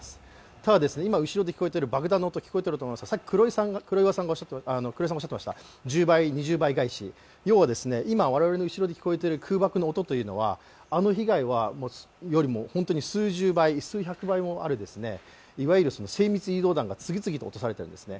ただいま後ろで聞こえている爆発の音、先ほど黒井さんがおっしゃっていました１０倍、２０倍返し、要は今我々が聞こえている空爆の音というのは本当に数十倍、数百倍ある、いわゆる、精密誘導弾が次々と落とされているんですね。